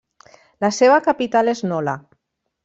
La seva capital és Nola.